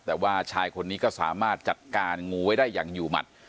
แต่ว่าชายคนนี้ก็สามารถจัดการงูไว้ได้อย่างอยู่หมัด